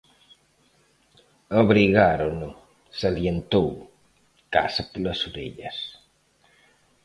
"Obrigárono", salientou, "case polas orellas".